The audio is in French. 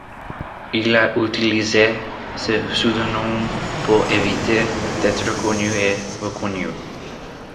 Il a utilisé ce pseudonyme pour éviter d'être connu et reconnu.